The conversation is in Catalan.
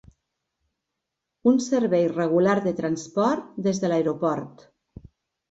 Un servei regular de transport des de l'aeroport.